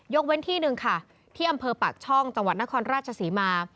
เว้นที่หนึ่งค่ะที่อำเภอปากช่องจังหวัดนครราชศรีมา